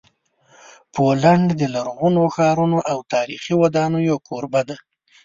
پولینډ د لرغونو ښارونو او تاریخي ودانیو کوربه دی.